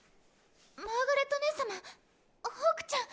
マーガレット姉様ホークちゃん！